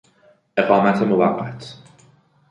اقامت موقت